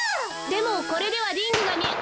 でもこれではリングがみえ。